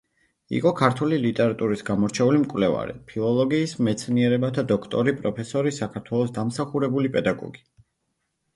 იყო ქართული ლიტერატურის გამორჩეული მკვლევარი, ფილოლოგიის მეცნიერებათა დოქტორი, პროფესორი, საქართველოს დამსახურებული პედაგოგი.